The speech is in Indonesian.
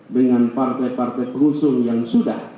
dengan partai partai pengusung yang sudah